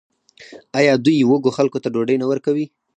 آیا دوی وږو خلکو ته ډوډۍ نه ورکوي؟